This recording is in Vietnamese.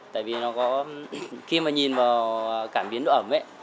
tại vì nó có khi mà nhìn vào cảm biến độ ẩm ấy